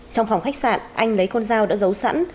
trong phòng khách sạn anh lấy con dao đã giấu sẵn